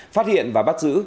phát hiện và bắt giữ